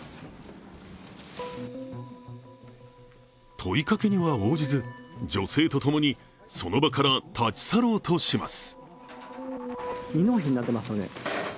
問いかけには応じず女性と共にその場から立ち去ろうとします。